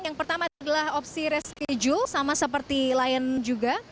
yang pertama adalah opsi reschedule sama seperti lion juga